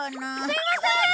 すいませーん！